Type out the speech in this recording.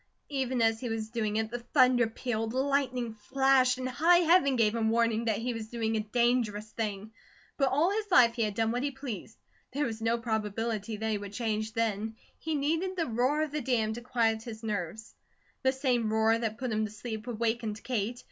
Even as he was doing it the thunder pealed; lightning flashed, and high Heaven gave him warning that he was doing a dangerous thing; but all his life he had done what he pleased; there was no probability that he would change then. He needed the roar of the dam to quiet his nerves. The same roar that put him to sleep, awakened Kate.